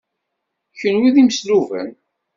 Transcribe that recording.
Kenwi d imesluben.